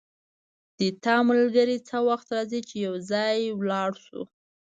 د تا ملګری څه وخت راځي چی یو ځای لاړ شو